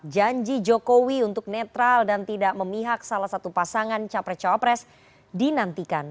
janji jokowi untuk netral dan tidak memihak salah satu pasangan capres cawapres dinantikan